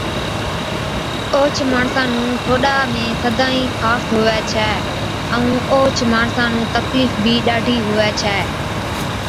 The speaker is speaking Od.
اوهچ ماڻسان نُون ٺوڏا سدائِين خارس هُوَي ڇَي ائُون اوهچ ماڻسا نُون تڪلِيف بِي ڏاڍِي هُوَي ڇَي،